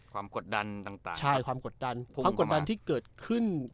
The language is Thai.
ความกดดันต่างต่างใช่ความกดดันความกดดันที่เกิดขึ้น